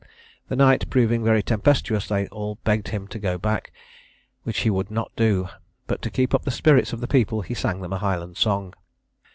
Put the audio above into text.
The night proving very tempestuous, they all begged of him to go back, which he would not do; but to keep up the spirits of the people, he sang them a Highland song.